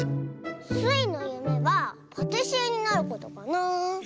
スイのゆめはパティシエになることかな。